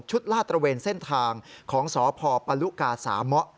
ลาดตระเวนเส้นทางของสพปลุกาสามะ